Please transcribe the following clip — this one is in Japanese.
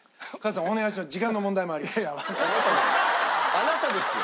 あなたですよ。